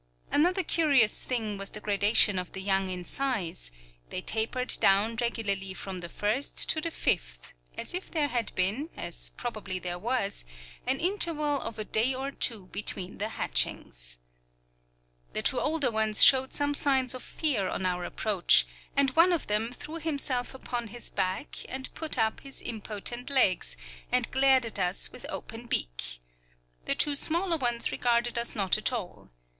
Another curious thing was the gradation of the young in size; they tapered down regularly from the first to the fifth, as if there had been, as probably there was, an interval of a day or two between the hatchings. The two older ones showed some signs of fear on our approach, and one of them threw himself upon his back, and put up his impotent legs, and glared at us with open beak. The two smaller ones regarded us not at all.